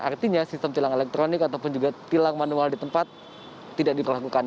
artinya sistem tilang elektronik ataupun juga tilang manual di tempat tidak diperlakukan